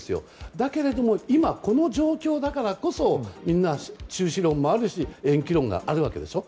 だけど今、この状況だから中止論もあるし延期論があるわけでしょう。